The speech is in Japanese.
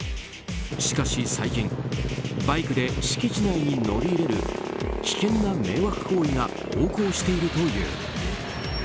しかし、最近バイクで敷地内に乗り入れる危険な迷惑行為が横行しているという。